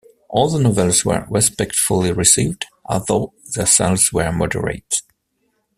All the novels were respectfully received, although their sales were moderate.